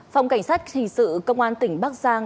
phòng cảnh sát hình sự công an tỉnh bắc giang